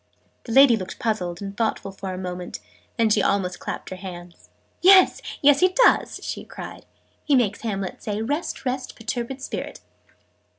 The lady looked puzzled and thoughtful for a moment: then she almost clapped her hands. "Yes, yes, he does!" she cried. "He makes Hamlet say 'Rest, rest, perturbed Spirit!"'